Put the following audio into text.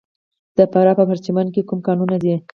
د فراه په پرچمن کې کوم کانونه دي؟